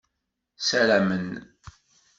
Ssaramen.